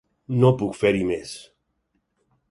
No puc fer-hi més.